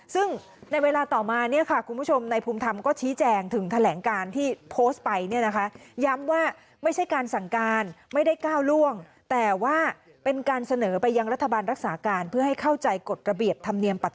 ซึ่งในเวลาต่อมาคุณผู้ชมในภูมิธรรมก็ชี้แจงถึงแถลงการที่โพสต์ไป